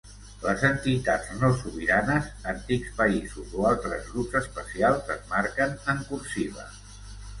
Les entitats no sobiranes, antics països o altres grups especials es marquen en cursiva.